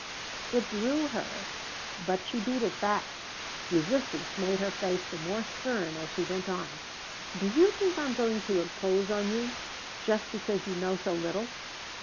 It drew her, but she beat it back. Resistance made her face the more stern as she went on: "Do you think I'm going to impose on you just because you know so little?